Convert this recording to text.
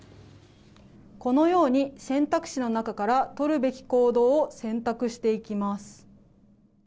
このように選択肢の中から取るべき行動を選択していきます。